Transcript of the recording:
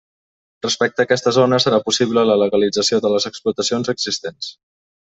Respecte a aquesta zona, serà possible la legalització de les explotacions existents.